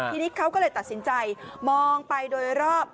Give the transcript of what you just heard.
ทีนี้เขาก็เลยตัดสินใจมองไปโดยรอบ